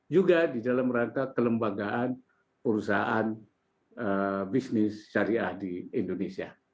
juga di dalam rangka kelembagaan perusahaan bisnis syariah di indonesia